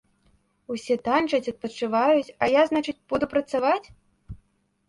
Усе танчаць, адпачываюць, а я, значыць, буду працаваць?